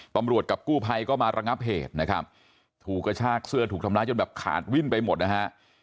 กับกู้ภัยก็มาระงับเหตุนะครับถูกกระชากเสื้อถูกทำร้ายจนแบบขาดวิ่นไปหมดนะฮะ